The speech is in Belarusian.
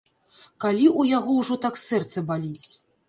Калі ў яго ўжо так сэрца баліць?